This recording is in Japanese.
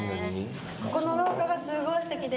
ここの廊下がすごい素敵で。